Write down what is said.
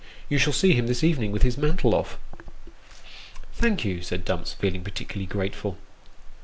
You shall see him this evening with his mantle off." " Thank you," said Dumps, feeling particularly grateful.